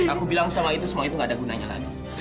ibu jangan dulu bu